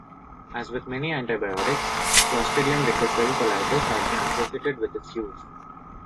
As with many antibiotics, "Clostridium difficile" colitis has been associated with its use.